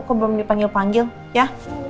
kok belum dipanggil panggil ya